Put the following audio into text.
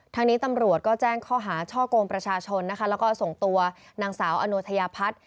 ทางนี้ตำรวจก็แจ้งข้อหาช่อกงประชาชนนะคะแล้วก็ส่งตัวนางสาวอโนธยาพัฒน์